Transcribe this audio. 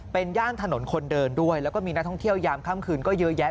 เป็นย่านถนนคนเดินด้วยแล้วก็มีนักท่องเที่ยวยามค่ำคืนก็เยอะแยะ